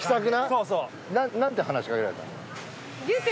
そうそう何て話しかけられたの？